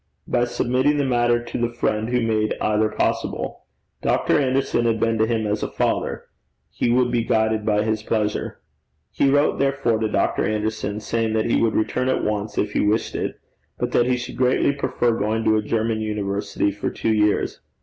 By submitting the matter to the friend who made either possible. Dr. Anderson had been to him as a father: he would be guided by his pleasure. He wrote, therefore, to Dr. Anderson, saying that he would return at once if he wished it, but that he would greatly prefer going to a German university for two years.